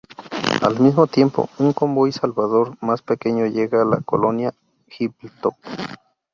Al mismo tiempo, un convoy Salvador más pequeño llega a la colonia Hilltop.